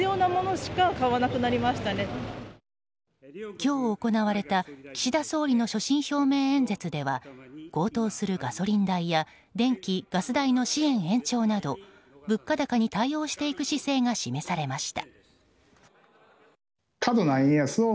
今日行われた岸田総理の所信表明演説では高騰するガソリン代や電気・ガス代の支援延長など物価高に対応していく姿勢が示されました。